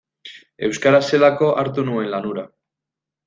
Euskaraz zelako hartu nuen lan hura.